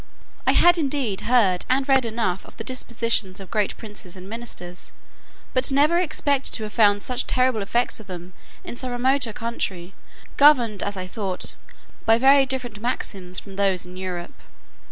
I had indeed heard and read enough of the dispositions of great princes and ministers, but never expected to have found such terrible effects of them, in so remote a country, governed, as I thought, by very different maxims from those in Europe.